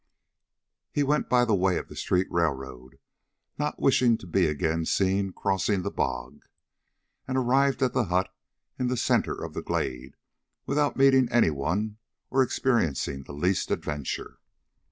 He went by the way of the street railroad, not wishing to be again seen crossing the bog, and arrived at the hut in the centre of the glade without meeting any one or experiencing the least adventure.